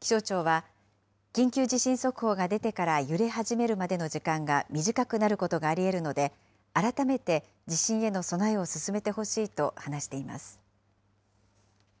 気象庁は、緊急地震速報が出てから揺れ始めるまでの時間が短くなることがありえるので、改めて地震への備えを進めてほしいと話しています。